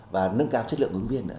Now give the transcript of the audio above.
và nâng cao chất lượng ứng viên nữa